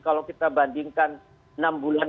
kalau kita bandingkan enam bulan